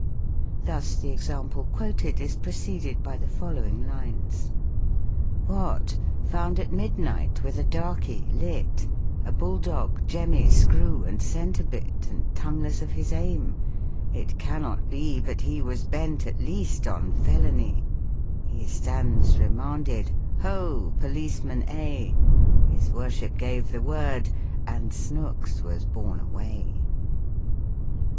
Thus the example quoted is pre ceded by the following lines: — "What! found at midnight with a darkey, lit, A bull dog, jemmy, screwj and centre bit And tongueless of his aim ? It cannot be But he was bent, at least, on felony ; He stands remanded. ' Ho ! Policeman A !' His worship gave the word, and Snooks was borne away."